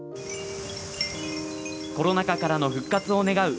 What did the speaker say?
コロナ禍からの復活を願う。